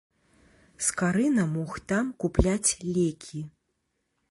Скарына мог там купляць лекі.